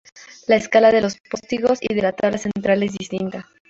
La escala de los postigos y de la tabla central es distinta.